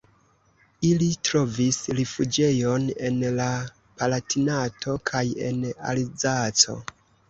Ili trovis rifuĝejon en la Palatinato kaj en Alzaco.